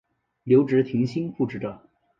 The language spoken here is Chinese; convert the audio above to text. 留职停薪复职者